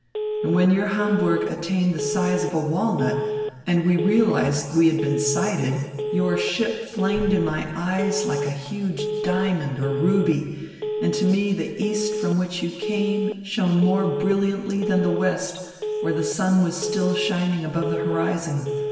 And when your Hamburg attained the size of a walnut, and we realised we had been sighted, your ship flamed in my eyes like a huge diamond or ruby, and to me the east from which you came shone more brilliantly than the west, where the sun was still shining above the horizon.